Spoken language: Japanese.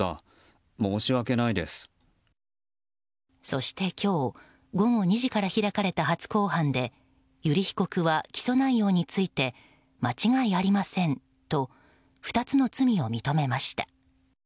そして今日午後２時から開かれた初公判で油利被告は起訴内容について間違いありませんと２つの罪を認めました。